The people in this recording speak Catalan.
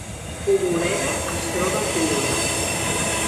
Poboleda es troba al Priorat